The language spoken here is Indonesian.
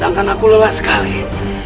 h maintenant aku sangat lelah